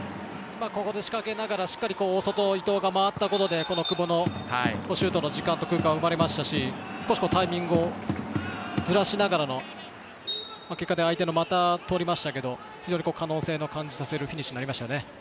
ここで仕掛けながらしっかり大外回り込んだことでこの久保のシュートの時間と空間が生まれましたし少しタイミングをずらしながら相手の股を通りましたが非常に可能性を感じるフィニッシュになりました。